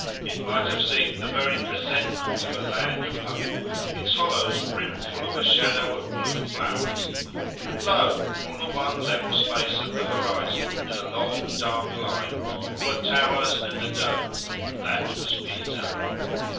It might have seemed the very presentment of a land of hope, its hollows brimful of a shadow of blue flowers; and lo! on the one level space of the horizon, in a long dark line, were towers and a dome: and that was Pisa.